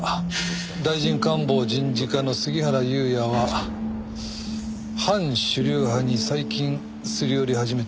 大臣官房人事課の杉原裕也は反主流派に最近すり寄り始めている。